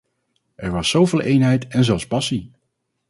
Er was zo veel eenheid en zelfs passie.